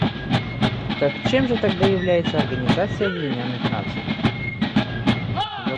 Так чем же тогда является Организация Объединенных Наций?